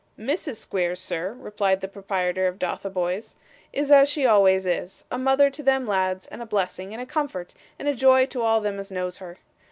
'Mrs. Squeers, sir,' replied the proprietor of Dotheboys, 'is as she always is a mother to them lads, and a blessing, and a comfort, and a joy to all them as knows her.